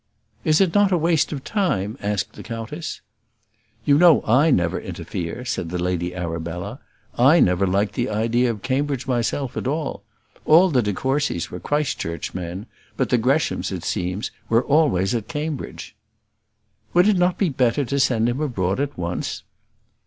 "Is it not a waste of time?" asked the countess. "You know I never interfere," said the Lady Arabella; "I never liked the idea of Cambridge myself at all. All the de Courcys were Christ Church men; but the Greshams, it seems, were always at Cambridge." "Would it not be better to send him abroad at once?"